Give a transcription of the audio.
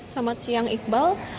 selamat siang iqbal